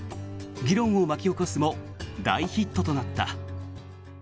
議論を巻き起こすも大ヒットとなった。